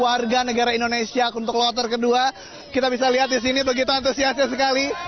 warga negara indonesia untuk kloter kedua kita bisa lihat di sini begitu antusias sekali